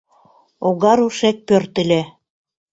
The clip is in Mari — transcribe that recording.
Огарушек пӧртыльӧ.